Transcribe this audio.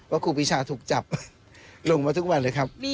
ครูปีชาถูกจับลงมาทุกวันเลยครับ